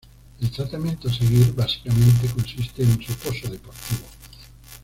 El tratamiento a seguir, básicamente, consiste en reposo deportivo.